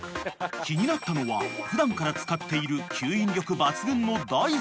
［気になったのは普段から使っている吸引力抜群のダイソン］